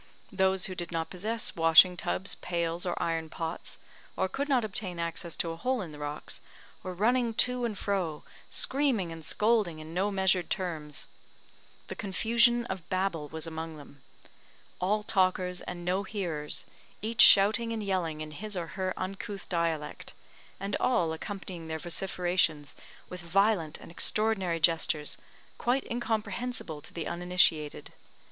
Those who did not possess washing tubs, pails, or iron pots, or could not obtain access to a hole in the rocks, were running to and fro, screaming and scolding in no measured terms. The confusion of Babel was among them. All talkers and no hearers each shouting and yelling in his or her uncouth dialect, and all accompanying their vociferations with violent and extraordinary gestures, quite incomprehensible to the uninitiated.